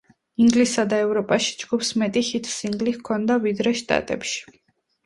ინგლისსა და ევროპაში ჯგუფს მეტი ჰიტ-სინგლი ჰქონდა, ვიდრე შტატებში.